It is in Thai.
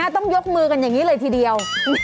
ต้องยกมือกันอย่างนี้เลยทีเดียว